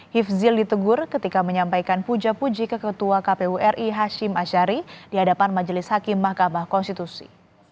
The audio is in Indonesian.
hifzil ditegur ketika menyampaikan puja puji ke ketua kpu ri hashim ashari di hadapan majelis hakim mahkamah konstitusi